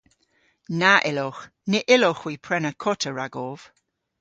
Na yllowgh. Ny yllowgh hwi prena kota ragov.